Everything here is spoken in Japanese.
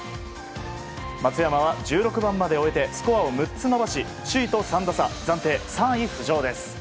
松山は１６番まで終えてスコアを６つ伸ばし首位と３打差。